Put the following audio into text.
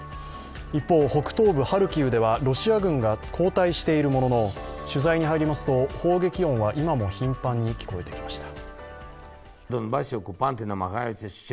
一方、北東部ハルキウではロシア軍が後退しているものの取材に入りますと、砲撃音は今も頻繁に聞こえてきました。